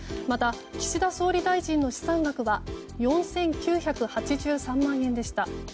また、岸田総理大臣の資産額は４９８３万円でした。